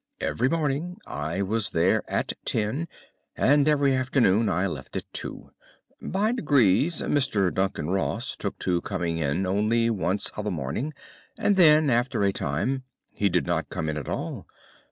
Every morning I was there at ten, and every afternoon I left at two. By degrees Mr. Duncan Ross took to coming in only once of a morning, and then, after a time, he did not come in at all.